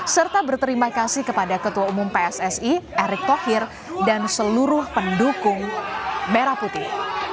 serta berterima kasih kepada ketua umum pssi erick thohir dan seluruh pendukung merah putih